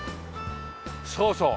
そうそう。